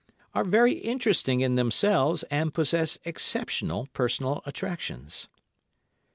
are very interesting in themselves and possess exceptional personal attractions.